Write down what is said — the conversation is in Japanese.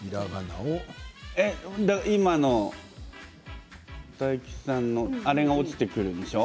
今の大吉さんのあれが落ちてくるんでしょう。